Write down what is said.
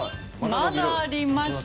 まだありまして。